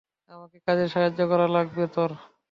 আমাকে কাজে সাহায্য করা লাগবে তোর।